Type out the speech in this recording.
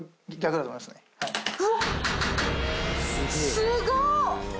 すごっ！